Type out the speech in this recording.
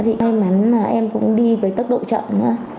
thì may mắn là em cũng đi với tốc độ chậm nữa